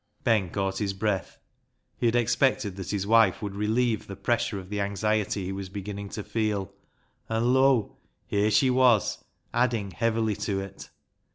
Ben caught his breath. He had expected that his wife would relieve the pressure of the 52 BECKSIDE LIGHTS anxiety he was beginning to feel, and lo ! here she was adding heavily to it.